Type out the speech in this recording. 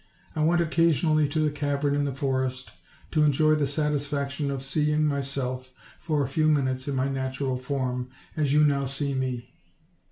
I went occasionally to the cavern in the forest, to enjoy the satisfaction of seeing myself, for a few minutes, in my natural form, as you now see me.